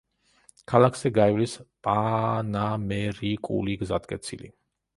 ქალაქზე გაივლის პანამერიკული გზატკეცილი.